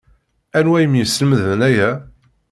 Anwa i m-yeslemden aya?